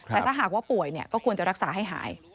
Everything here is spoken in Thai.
แต่ถ้าหากว่าป่วยก็ควรจะรักษาให้หาย